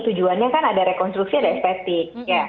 tujuannya kan ada rekonstruksi ada espetik